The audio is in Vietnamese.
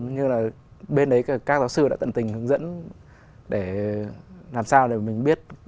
như là bên đấy các giáo sư đã tận tình hướng dẫn để làm sao để mình biết